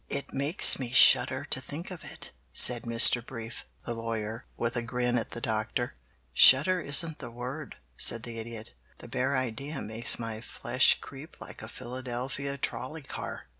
"It makes me shudder to think of it!" said Mr. Brief, the lawyer, with a grin at the Doctor. "Shudder isn't the word!" said the Idiot. "The bare idea makes my flesh creep like a Philadelphia trolley car!